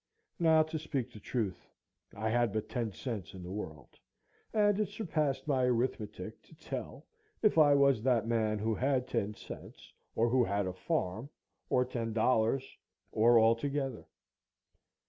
Now, to speak the truth, I had but ten cents in the world, and it surpassed my arithmetic to tell, if I was that man who had ten cents, or who had a farm, or ten dollars, or all together.